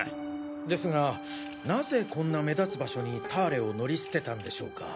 ですがなぜこんな目立つ場所にターレを乗り捨てたんでしょうか？